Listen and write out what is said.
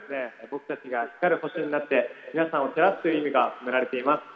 僕たちが光る星になって皆さんを照らすという意味が込められています。